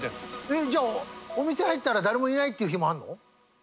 えっじゃあお店入ったら誰もいないっていう日もあるの？